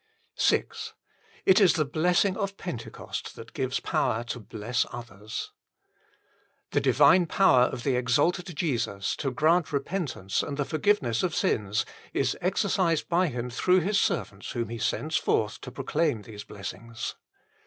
VI It is the blessing of Pentecost that gives power to Uess others. The divine power of the exalted Jesus to grant repentance and the forgiveness of sins is exercised by Him through His servants whom He sends forth to proclaim these blessings.